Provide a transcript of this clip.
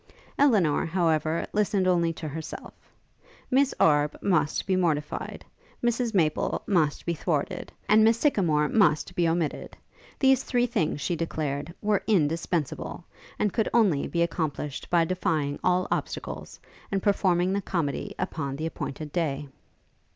Elinor, however, listened only to herself: Miss Arbe must be mortified; Mrs Maple must be thwarted; and Miss Sycamore must be omitted: these three things, she declared, were indispensable, and could only be accomplished by defying all obstacles, and performing the comedy upon the appointed day.